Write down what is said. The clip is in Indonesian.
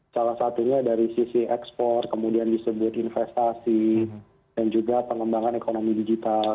salah satunya dari sisi ekspor kemudian disebut investasi dan juga pengembangan ekonomi digital